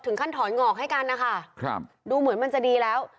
ถึงขั้นถอนหงอกให้กันนะคะดูเหมือนมันจะดีแล้ว